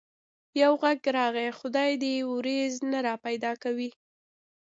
يو غږ راغی: خدای دي وريځ نه را پيدا کوي.